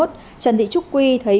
trần thị trúc quy thấy